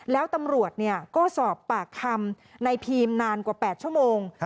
แล้วตำรวจก็สอบปากคำในพีมนานกว่า๘ชั่วโมง